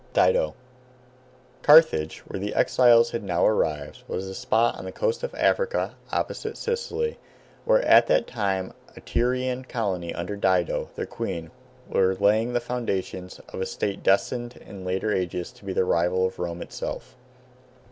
DIDO Carthage, where the exiles had now arrived, was a spot on the coast of Africa opposite Sicily, where at that time a Tyrian colony under Dido, their queen, were laying the foundations of a state destined in later ages to be the rival of Rome itself.